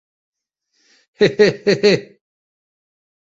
He he he he!